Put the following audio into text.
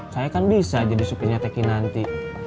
saya kan bisa jadi supinya teh kinanti